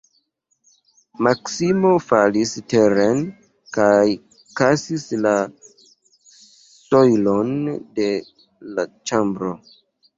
Maksimo falis teren kaj kisis la sojlon de l' ĉambro.